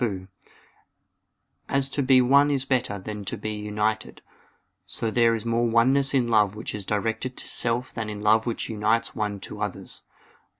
2: As to be one is better than to be united, so there is more oneness in love which is directed to self than in love which unites one to others.